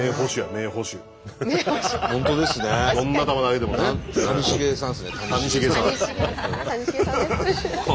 どんな球投げてもね。